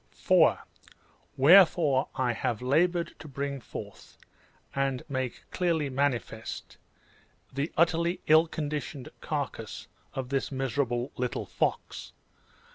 ^ 4. Wherefore I have laboured to bring forward, and make clearly manifest, the utterly ill conditioned carcase of this miserable little fox.